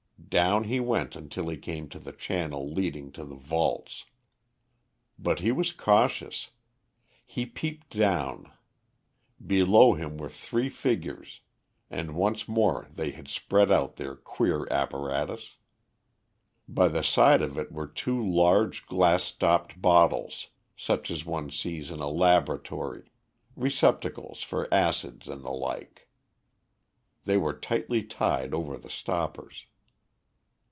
Down he went until he came to the channel leading to the vaults. But he was cautious. He peeped down. Below him were three figures, and once more they had spread out their queer apparatus. By the side of it were two large glass stoppered bottles, such as one sees in a laboratory, receptacles for acids and the like. They were tightly tied over the stoppers.